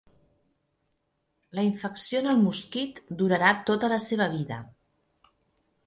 La infecció en el mosquit durarà tota la seva vida.